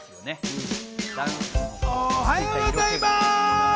おはようございます。